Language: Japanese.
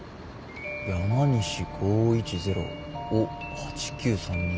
山西５１０を８９３２。